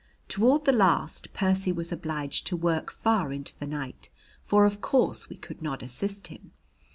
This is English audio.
Toward the last Percy was obliged to work far into the night, for of course we could not assist him.